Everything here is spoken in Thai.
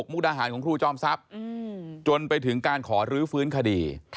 มุกดาหารของครูจอมทรัพย์จนไปถึงการขอรื้อฟื้นคดี